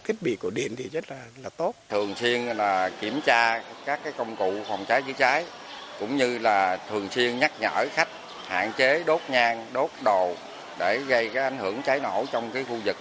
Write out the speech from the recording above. khởi khách hạn chế đốt nhang đốt đồ để gây ảnh hưởng cháy nổ trong khu vực